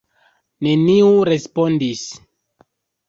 Neniu respondis.